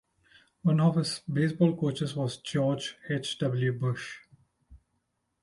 One of his baseball coaches was George H. W. Bush.